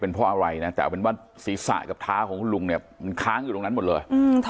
เป็นเพราะอะไรน่ะแต่เอาเป็นว่าศีรษะกับท้าของคุณลุงเนี้ย